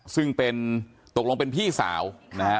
ซึ่งเป็นตกลงเป็นพี่สาวนะฮะ